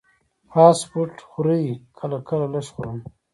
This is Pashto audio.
فاسټ فوډ خورئ؟ کله کله، لږ خورم